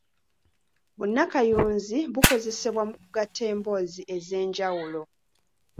Bunnakayunzi bukozesebwa mu kugatta emboozi ez’enjawulo.